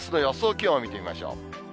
気温を見てみましょう。